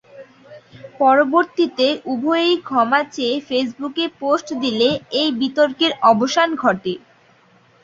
পরবর্তীতে উভয়ই ক্ষমা চেয়ে ফেসবুকে পোস্ট দিলে এই বিতর্কের অবসান ঘটে।